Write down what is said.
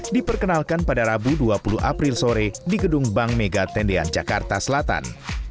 diperkenalkan pada rabu dua puluh april sore di gedung bank mega tendean jakarta selatan